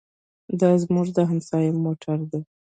دا زموږ د همسایه موټر دی.